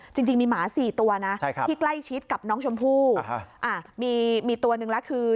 จริงมีหมาสี่ตัวนะที่ใกล้ชิดกับน้องชมพู่มีตัวหนึ่งแล้วคือ